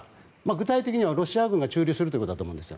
具体的にはロシア軍が駐留するということだと思います。